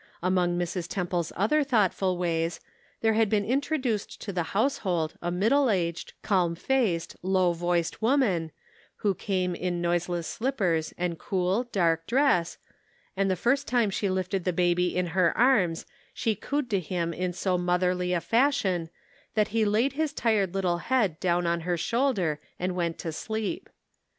Among Mrs. Temple's other thoughtful ways, there had been introduced to the household a middle aged, calm faced, low voiced woman, who came in noiseless slippers and cool, dark dress, and the first time she lifted the baby in her arms she cooed to him in so motherly a fashion that he laid his tired little head 'down on her shoulder and went to sleep.